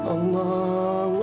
selamat ya nuan